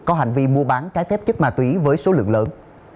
có hành vi mua bán trái phép chất ma túy với số lượng lớn